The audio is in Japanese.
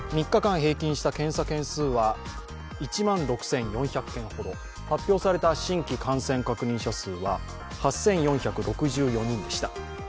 ３日間平均した検査件数は１万６４００件ほど、発表された新規感染確認者数は８４６４人でした。